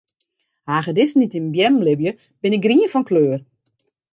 Hagedissen dy't yn beammen libje, binne grien fan kleur.